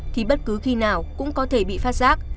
thì bất cứ khi nào cũng có thể bị phát giác